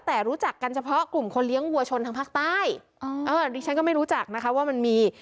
แต่รู้จักกันเฉพาะกลุ่มคนเลี้ยงวัวชนทางภาคใต้อ๋อเออดิฉันก็ไม่รู้จักนะคะว่ามันมี